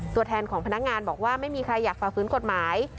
ตัวแทนของพนักงานบอกว่าไม่มีใครอยากฝ่าฝืนกฎหมาย